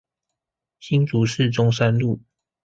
新竹市中山路